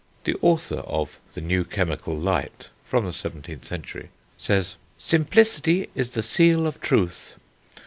The author of The New Chemical Light (17th century) says: "Simplicity is the seal of truth....